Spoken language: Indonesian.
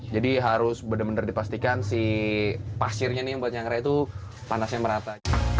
jadi harus benar benar dipastikan si pasirnya ini yang buat menyangrai itu panasnya merata